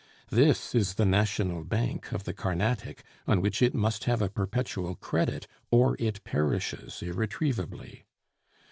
This is the national bank of the Carnatic, on which it must have a perpetual credit or it perishes irretrievably.